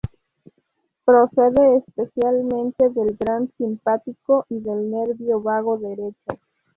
Procede especialmente del gran simpático y del nervio vago derecho.